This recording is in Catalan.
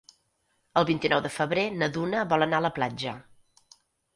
El vint-i-nou de febrer na Duna vol anar a la platja.